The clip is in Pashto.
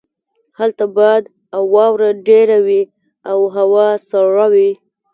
هلته باد او واوره ډیره وی او هوا سړه وي